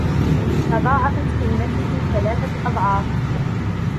تضاعفت قيمته ثلاثة أضعاف.